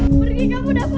pergi kamu dapa